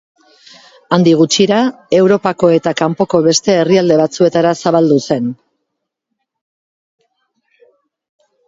Handik gutxira Europako eta kanpoko beste herrialde batzuetara zabaldu zen.